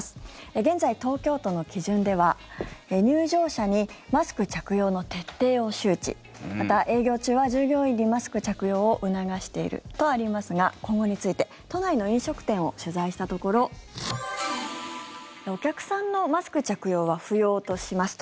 現在、東京都の基準では入場者にマスク着用の徹底を周知また、営業中は従業員にマスク着用を促しているとありますが今後について都内の飲食店を取材したところお客さんのマスク着用は不要としますと。